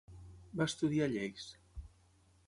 Va estudiar lleis.